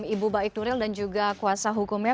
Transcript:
ibu baik nuril dan juga kuasa hukumnya